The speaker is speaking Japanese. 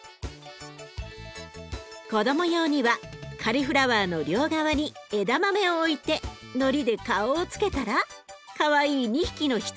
子ども用にはカリフラワーの両側に枝豆を置いてのりで顔をつけたらかわいい２匹の羊ちゃんに！